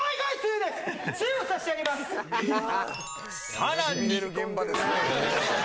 さらに。